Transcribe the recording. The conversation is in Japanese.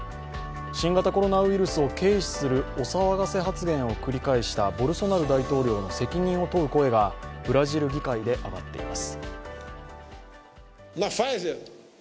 新型コロナウイルスを軽視するお騒がせ発言を繰り返したボルソナロ大統領の責任を問う声がブラジル議会で上がっています。